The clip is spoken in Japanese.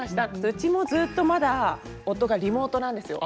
うちもずっとまだ夫がリモートなんですよ。